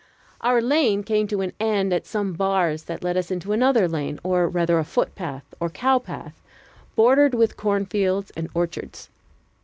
Our lane came to an end at some bars that let us into another lane, or rather a footpath or cowpath, bordered with cornfields and orchards.